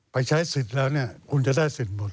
ใช้สิทธิ์แล้วเนี่ยคุณจะได้สิทธิ์หมด